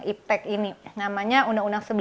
iptek ini namanya undang undang